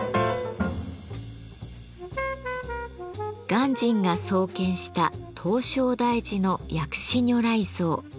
鑑真が創建した唐招提寺の薬師如来像。